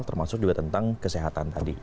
termasuk juga tentang kesehatan tadi